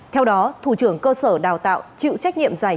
theo đó thủ trưởng cơ sở đào tạo chịu trách nhiệm giải